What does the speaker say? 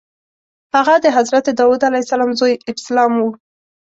هغه د حضرت داود علیه السلام زوی ابسلام و.